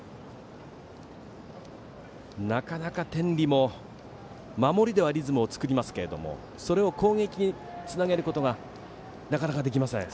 なかなか天理も守りではリズムを作りますけどもそれを攻撃につなげることがなかなかできません。